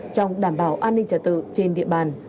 trong đảm bảo an ninh trả tự trên địa bàn